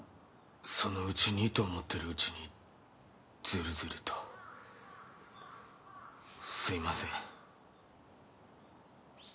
そのうちにと思ってるうちにズルズルとすいません